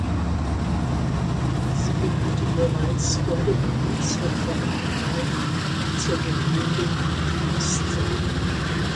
Sie gehörte bereits vor der Gebietsreform in Bayern zur Gemeinde Dietramszell.